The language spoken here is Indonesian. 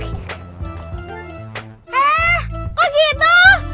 eh kok gitu